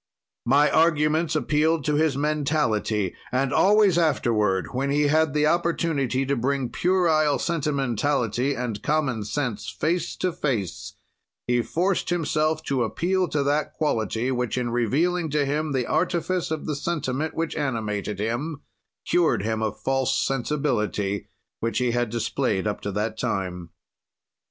"My arguments appealed to his mentality, and always afterward, when he had the opportunity to bring puerile sentimentality and common sense face to face, he forced himself to appeal to that quality, which in revealing to him the artifice of the sentiment which animated him, cured him of false sensibility, which he had displayed up to that time."